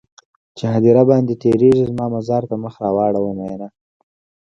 چې هديره باندې تيرېږې زما مزار ته مخ راواړوه مينه